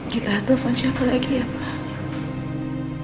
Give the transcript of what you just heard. kita telepon siapa lagi ya pak